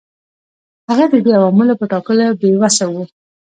هغه د دې عواملو په ټاکلو کې بې وسه و.